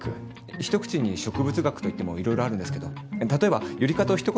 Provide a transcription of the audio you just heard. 一口に植物学といってもいろいろあるんですけど例えばユリ科とひと言で。